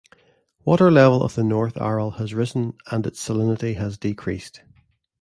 Water level of the North Aral has risen, and its salinity has decreased.